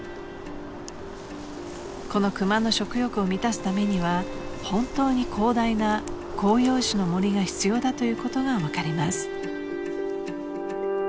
［このクマの食欲を満たすためには本当に広大な広葉樹の森が必要だということが分かります］